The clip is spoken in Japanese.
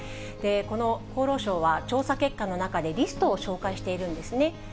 厚労省は調査結果の中でリストを紹介しているんですね。